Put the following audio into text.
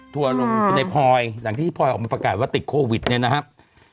ลงคือในพลอยหลังจากที่พลอยออกมาประกาศว่าติดโควิดเนี่ยนะครับ